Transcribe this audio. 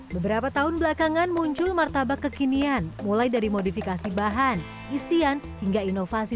beberapa tahun belakangan muncul martabak kekinian mulai dari modifikasi bahan isian hingga inovasi